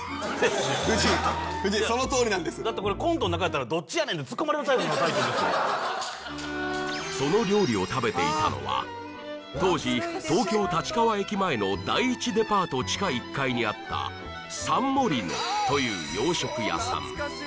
夫人そのとおりなんですだってこれコントの中やったらどっちやねんってツッコまれるその料理を食べていたのは当時東京立川駅前の第一デパート地下１階にあったサンモリノという洋食屋さん